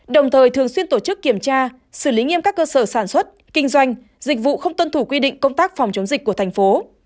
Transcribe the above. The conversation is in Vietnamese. đồng thời thường xuyên tổ chức kiểm tra xử lý nghiêm các cơ sở sản xuất kinh doanh dịch vụ không tuân thủ quy định công tác phòng chống dịch của thành phố